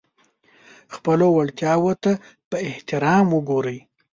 خپلو وړتیاوو ته په احترام وګورئ.